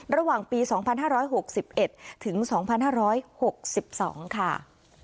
ระหว่างปี๒๕๖๑ถึง๒๕๖๒ค่ะ